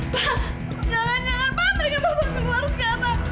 pak jangan jangan pak tidak apa apa saya harus ke atas